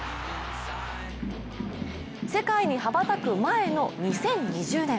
世界に羽ばたく前の２０２０年。